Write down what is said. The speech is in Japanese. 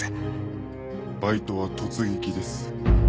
「バイトは突撃です。